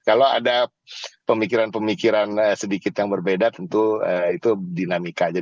kalau ada pemikiran pemikiran sedikit yang berbeda tentu itu dinamika aja